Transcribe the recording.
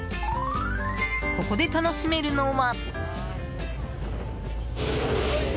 ここで楽しめるのは。